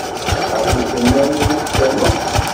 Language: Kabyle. Ɣef yisennanen i teqqimeḍ?